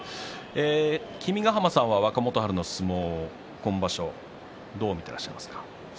君ヶ濱さんは若元春の相撲今場所、どう見ていらっしゃいますか。